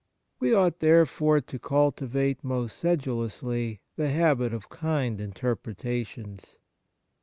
We ought, therefore, to cultivate most sedulously the habit of kind interpretations.